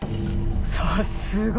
さすが！